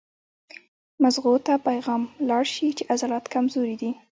مزغو ته پېغام لاړ شي چې عضلات کمزوري دي